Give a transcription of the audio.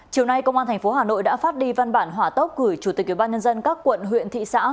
chiều nay công an tp hà nội đã phát đi văn bản hỏa tốc gửi chủ tịch ubnd các quận huyện thị xã